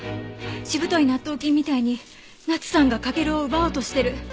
しぶとい納豆菌みたいに奈津さんが翔を奪おうとしてる。